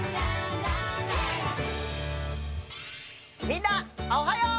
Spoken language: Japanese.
みんなおはよう！